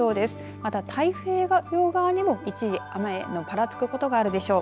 また太平洋側にも一時、雨のぱらつく所があるでしょう。